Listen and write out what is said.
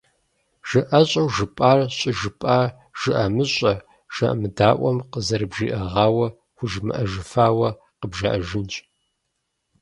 Жыӏэщӏэу жыпӏар щӏыжыпӏа жыӏэмыщӏэ-жыӏэмыдаӏуэм къызэрыбжиӏэгъауэ хужымыӏэжыфауэ къыбжаӏэжынщ.